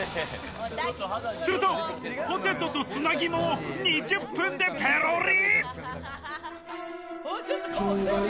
すると、ポテトと砂肝を２０分でペロリ。